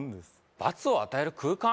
罰を与える空間？